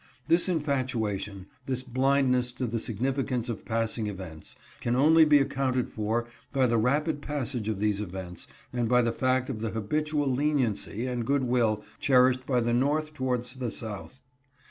This infatuation, this blindness to the signifi cance of passing events, can only be accounted for by the rapid pas sage of these events and by the fact of the habitual leniency and good will cherished by the North towards the South.